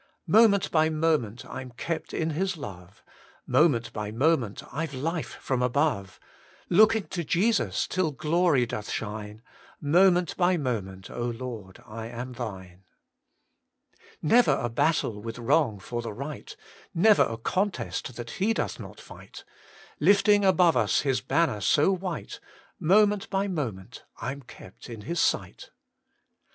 Vhorus — Moment by moment I'm kept in His lore, Moment by moment I've life from above ; Looking to Jesus till glory doth shine ; Moment by moment, Lord, I am Thin«i Never a battle with wrong for the right, Never a contest that He doth not fight ; Lifting above us His banner so white, Moment by moment I'm kept in His sight.